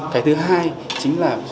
cái thứ hai chính là